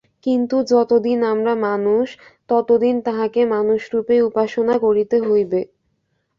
কিন্তু যতদিন আমরা মানুষ, ততদিন তাঁহাকে মানুষরূপেই উপাসনা করিতে হইবে।